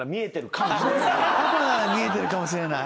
パパなら見えてるかもしれない。